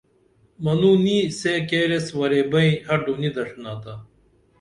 موں نِیہ سے کیریس ورے بئیں ہڈو نی دڇِھنا تا